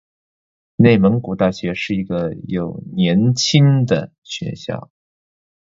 内蒙古大学是一个有年轻的学校。